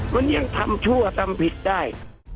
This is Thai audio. มันยังทำชั่วทำผิดได้